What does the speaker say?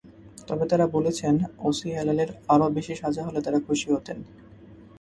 তবে তাঁরা বলেছেন, ওসি হেলালের আরও বেশি সাজা হলে তাঁরা খুশি হতেন।